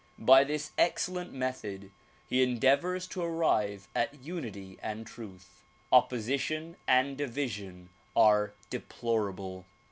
By this excellent method he endeavors to arrive at unity and truth. Opposition and division are deplorable.